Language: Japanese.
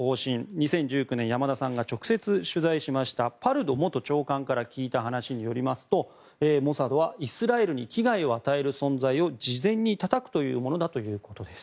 ２０１９年、山田さんが直接取材しましたパルド元長官から聞いた話によりますとモサドはイスラエルに危害を与える存在を事前にたたくというものだということです。